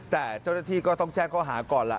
แต่เจ้าหน้าที่ก็ต้องแจ้งข้อหาก่อนล่ะ